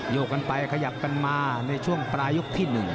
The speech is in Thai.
กกันไปขยับกันมาในช่วงปลายกที่๑